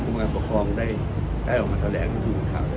การประชุมเมื่อวานมีข้อกำชับหรือข้อกำชับอะไรเป็นพิเศษ